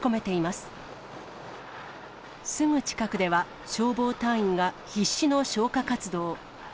すぐ近くでは消防隊員が必死の消火活動。